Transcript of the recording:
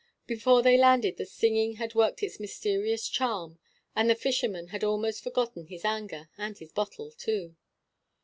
Before they landed the singing had worked its mysterious charm, and the fisherman had almost forgotten his anger, and his bottle, too.